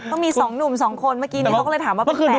ต้องมีสองหนุ่มสองคนเมื่อกี้เนี่ยเขาก็เลยถามว่าเป็นแปดหรือเปล่า